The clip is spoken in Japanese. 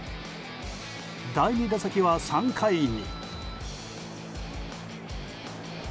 第２打席は３回に。